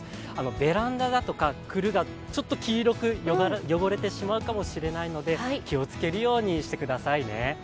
ベランダだとかがちょっと黄色く汚れてしまうかもしれないので気をつけるようにしてくださいね。